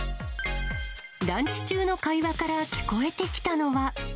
ランチ中の会話から聞こえてきたのは。